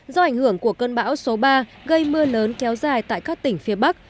do ảnh hưởng của cơn bão số ba gây mưa lớn kéo dài tại các tỉnh phía bắc